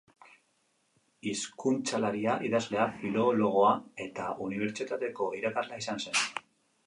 Hizkuntzalaria, idazlea, filologoa eta unibertsitateko irakaslea izan zen.